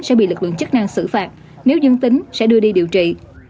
sẽ bị lực lượng chất năng xử phạt nếu dân tính sẽ đưa đi điều trị